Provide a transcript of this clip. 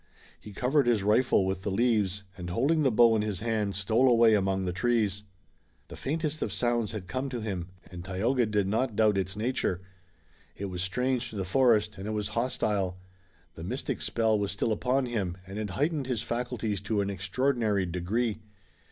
He covered his rifle with the leaves, and holding the bow in his hand stole away among the trees. The faintest of sounds had come to him, and Tayoga did not doubt its nature. It was strange to the forest and it was hostile. The mystic spell was still upon him, and it heightened his faculties to an extraordinary degree.